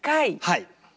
はい。